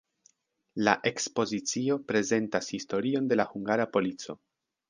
La ekspozicio prezentas historion de la hungara polico.